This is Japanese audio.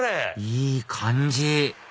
いい感じ